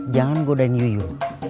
jangan godain yuyun